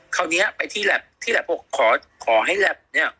คราวนี้ไปที่แหลป๖ขอให้แหลปเนี่ย